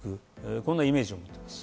このイメージを持っています。